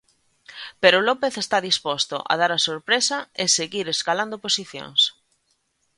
Pero López está disposto a dar a sorpresa e seguir escalando posicións.